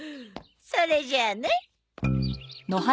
それじゃあね。